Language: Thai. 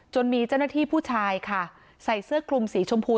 มีเจ้าหน้าที่ผู้ชายค่ะใส่เสื้อคลุมสีชมพู